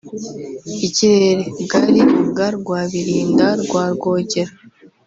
”Ikirere “bwari ubwa Rwabilinda rwa Rwogera